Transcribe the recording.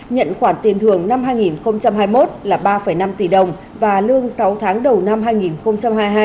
nhận khoản tiền thưởng năm hai nghìn hai mươi một là ba năm tỷ đồng và lương sáu tháng đầu năm hai nghìn hai mươi hai